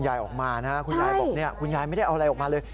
ยายบอกว่ายายไม่ได้เอาอะไรออกมาเลย